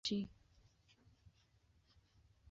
که ته تمرین ونه کړې نو اضطراب به زیات شي.